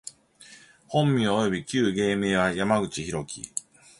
本名および旧芸名は、山口大樹（やまぐちひろき）